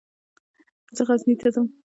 زه غزني ته ځم.